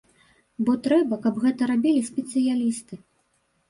Бо трэба, каб гэта рабілі спецыялісты.